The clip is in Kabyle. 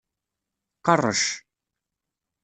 Qerrec.